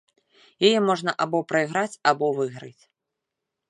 Яе можна або прайграць, або выйграць.